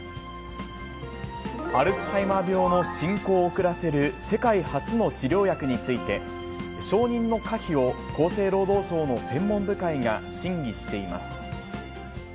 アルツハイマー病の進行を遅らせる世界初の治療薬について、承認の可否を厚生労働省の専門部会が審議しています。